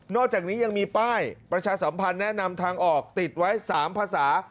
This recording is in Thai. อกจากนี้ยังมีป้ายประชาสัมพันธ์แนะนำทางออกติดไว้๓ภาษา